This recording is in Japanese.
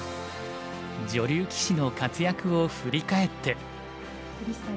女流棋士の活躍を振り返って。